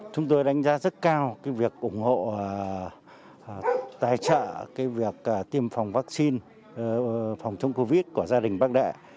chúng tôi đánh giá rất cao việc ủng hộ tài trợ việc tiêm phòng vaccine phòng chống covid của gia đình bác đệ